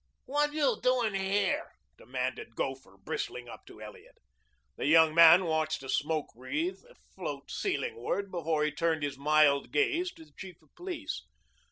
"Whad you doing here?" demanded Gopher, bristling up to Elliot. The young man watched a smoke wreath float ceilingward before he turned his mild gaze on the chief of police.